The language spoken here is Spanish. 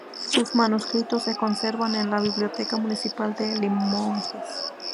Sus manuscritos se conservan en la biblioteca municipal de Limoges.